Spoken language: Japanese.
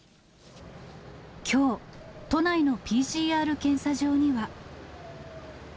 きょう、都内のＰＣＲ検査場には。